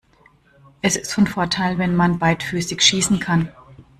Es ist von Vorteil, wenn man beidfüßig schießen kann.